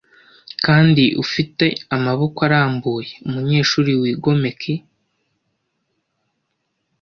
kandi ufite amaboko arambuye umunyeshuri wigomeke